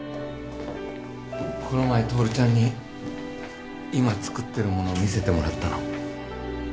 この前徹ちゃんに今作ってるものを見せてもらったの。